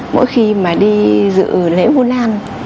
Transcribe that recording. mỗi khi mà đi dự lễ vô lan